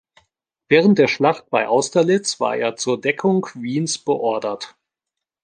Während der Schlacht bei Austerlitz war er zur Deckung Wiens beordert.